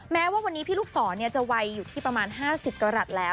แม้ว่าวันนี้พี่ลูกศรจะวัยอยู่ที่ประมาณ๕๐กรัฐแล้ว